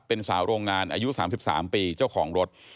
เป็นสาวโรงงานอายุ๓๓ปีเจ้าของรถ